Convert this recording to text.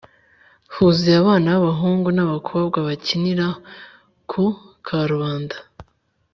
huzuye abana b abahungu n ab abakobwa bakinira ku karubanda